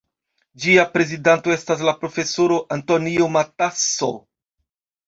Ĝia prezidanto estas la profesoro Antonio Matasso.